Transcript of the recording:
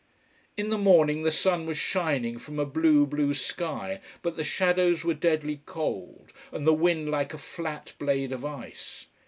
In the morning the sun was shining from a blue, blue sky, but the shadows were deadly cold, and the wind like a flat blade of ice.